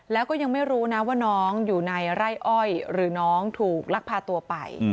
แล้วก็ยังไม่รู้นะว่าน้องอยู่ในไร่อ้อยหรือน้องถูกลักพาตัวไป